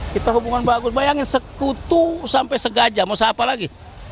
kita hubungan bagus bayangin sekutu sampai segajah mau seapa lagi